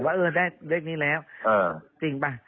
ว่าเออได้เลขนี้แล้วจริงป่ะ